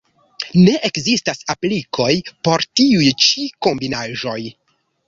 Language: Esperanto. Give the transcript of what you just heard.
Ne ekzistas aplikoj por tiuj ĉi kombinaĵoj.